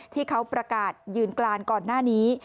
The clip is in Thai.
ที่เขาประกาศยืนกลานก่อนหน้านี้